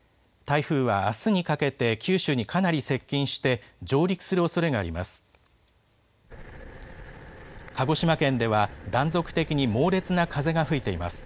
台風はあすにかけて九州にかなり接近して、上陸するおそれがあります。